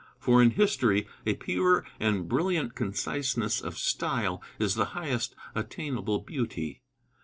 For in history a pure and brilliant conciseness of style is the highest attainable beauty."